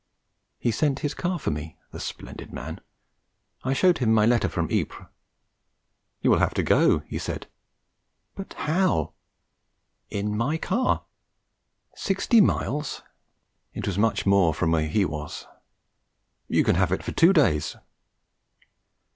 He sent his car for me, the splendid man. I showed him my letter from Ypres. 'You will have to go,' he said. 'But how?' 'In my car.' 'Sixty miles!' (It was much more from where he was.) 'You can have it for two days.'